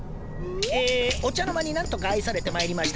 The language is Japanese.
えお茶の間に何とか愛されてまいりました